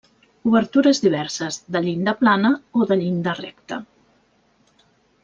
Obertures diverses, de llinda plana, o de llinda recta.